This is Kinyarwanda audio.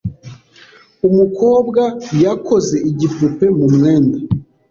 Umukobwa yakoze igipupe mu mwenda.